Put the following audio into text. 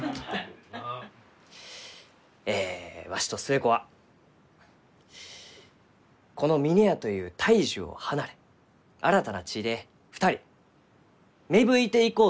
えわしと寿恵子はこの峰屋という大樹を離れ新たな地で２人芽吹いていこうと存じます。